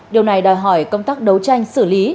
điều này đòi hỏi công tác đấu tranh xử lý